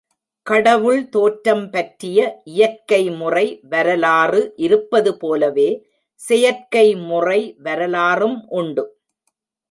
கடவுள் தோற்றம் பற்றிய இயற்கை முறை வரலாறு இருப்பது போலவே செயற்கை முறை வரலாறும் உண்டு.